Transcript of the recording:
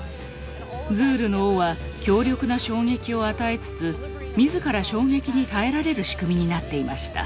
ズールの尾は強力な衝撃を与えつつ自ら衝撃に耐えられる仕組みになっていました。